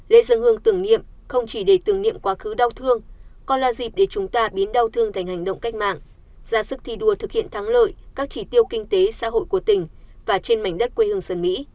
lễ dân hương tưởng niệm không chỉ để tưởng niệm quá khứ đau thương còn là dịp để chúng ta biến đau thương thành hành động cách mạng ra sức thi đua thực hiện thắng lợi các chỉ tiêu kinh tế xã hội của tỉnh và trên mảnh đất quê hương sơn mỹ